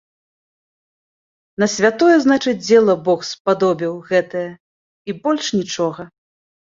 На святое, значыць, дзела бог спадобіў, гэтае, і больш нічога.